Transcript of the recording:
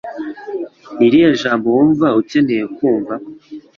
Nirihe jambo wumva ukeyene kumva?